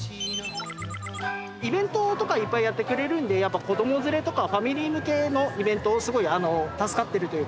イベントとかいっぱいやってくれるんでやっぱ子ども連れとかファミリー向けのイベントをすごい助かってるというか。